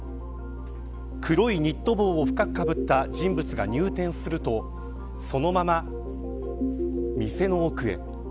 黒いニット帽を深くかぶった人物が入店するとそのまま店の奥へ。